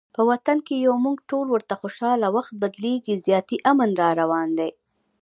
په وطن کې یو موږ ټول ورته خوشحاله، وخت بدلیږي زیاتي امن راروان دي